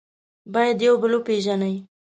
باید یو بل وپېژنئ.